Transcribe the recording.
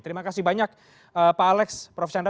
terima kasih banyak pak alex prof chandra